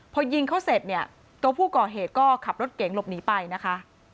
พอยิงเขาเสร็จเนี่ยตัวผู้ก่อเหตุก็ขับรถเก๋งหลบหนีไปนะคะ